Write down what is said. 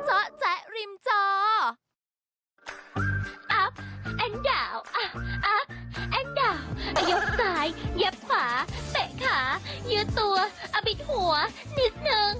ซ้ายยับขวาเปะขายืดตัวอบิดหัวนิดหนึ่ง